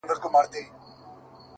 ه ياره د څراغ د مــړه كولو پــه نـيت’